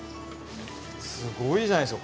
すごいじゃないですか。